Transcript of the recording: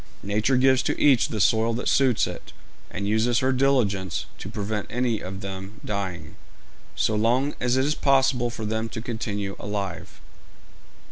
Nature gives to each the soil that suits it, and uses her diligence to prevent any of them dying, so long as it is possible for them to continue alive.